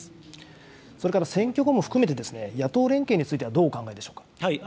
それから選挙後も含めて、野党連携については、どうお考えでしょうか。